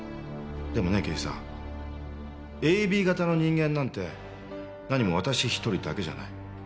でもね刑事さんＡＢ型の人間なんてなにも私１人だけじゃない。